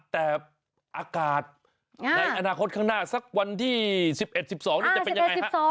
แต่อากาศในอนาคตข้างหน้าสักวันที่๑๑๑๒นี่จะเป็นยังไงฮะ